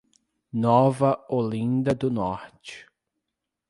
Nova Olinda do Norte